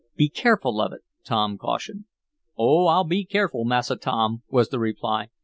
"Be careful of it," Tom cautioned. "Oh, I'll be careful, Massa Tom," was the reply.